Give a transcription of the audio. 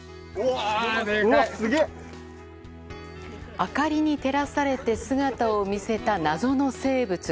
明かりに照らされて姿を見せた謎の生物。